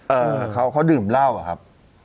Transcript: เออเขาดื่มเหล้าอะครับ